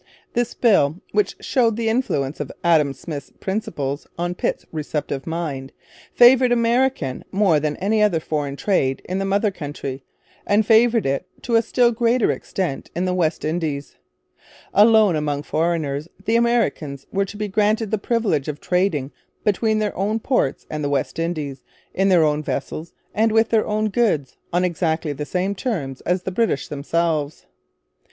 This bill, which showed the influence of Adam Smith's principles on Pitt's receptive mind, favoured American more than any other foreign trade in the mother country, and favoured it to a still greater extent in the West Indies. Alone among foreigners the Americans were to be granted the privilege of trading between their own ports and the West Indies, in their own vessels and with their own goods, on exactly the same terms as the British themselves.